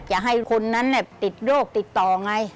จะให้คนนั้นเนี่ยติดโรคติดต่อไง